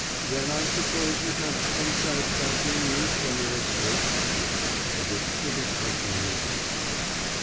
'Then I suppose you have unsatisfactory news from your estate?' he articulated, with his customary ease.